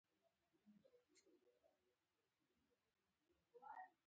بیا دې له هرې ډلې څخه یو تن لیست کړې کلمې ټولګي ته ولولي.